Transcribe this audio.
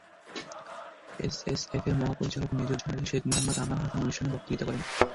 এসএসএফের মহাপরিচালক major general Sheikh Mohammad Aman Hasan অনুষ্ঠানে বক্তৃতা করেন।